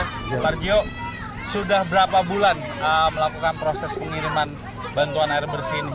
pak margio sudah berapa bulan melakukan proses pengiriman bantuan air bersih ini